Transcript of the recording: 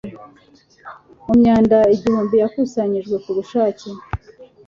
Mu myanda igihumbi yakusanyirijwe ku bushake